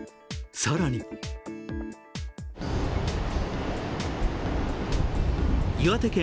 更に岩手県